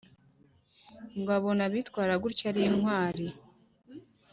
ngo abona bitwara gutyo ari intwari